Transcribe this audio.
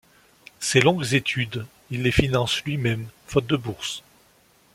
Ses longues études, il les finance lui-même, faute de bourse.